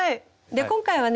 今回はね